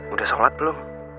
udah sholat belum